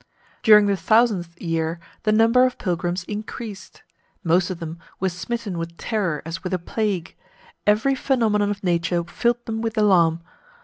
During the thousandth year the number of pilgrims increased. Most of them were smitten with terror as with a plague. Every phenomenon of nature filled them with alarm.